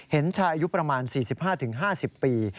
เห็นชายอายุประมาณ๔๕๕๐ปี